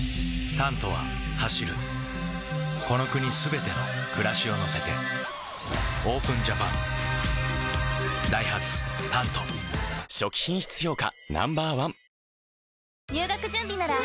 「タント」は走るこの国すべての暮らしを乗せてＯＰＥＮＪＡＰＡＮダイハツ「タント」初期品質評価